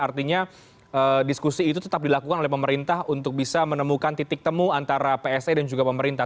artinya diskusi itu tetap dilakukan oleh pemerintah untuk bisa menemukan titik temu antara pse dan juga pemerintah